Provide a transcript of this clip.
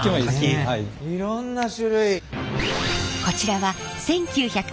いろんな種類。